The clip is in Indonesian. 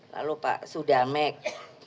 lalu pak sudamek